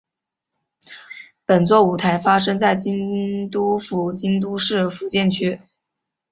本作舞台发生在京都府京都市伏见区。